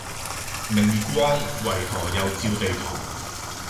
明月光，為何又照地堂